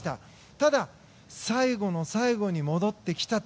ただ、最後の最後に戻ってきた。